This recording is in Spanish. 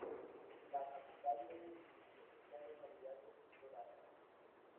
La capital del municipio es la localidad de Sorata.